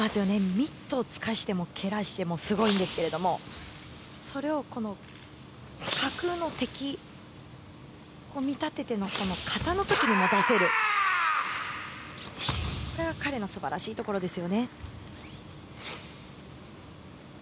ミットを突かせても蹴らせてもすごいんですがそれをこの架空の敵に見立てて形の時に持たせるこれが彼の素晴らしいところですよね。